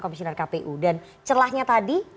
komisioner kpu dan celahnya tadi